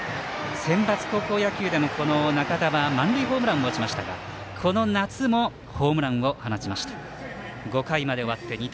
センバツ高校野球では仲田は満塁ホームランを打ちましたがこの夏もホームランを放ちました。